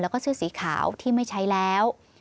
แล้วก็เสื้อสีขาวที่ไม่ใช้แล้ว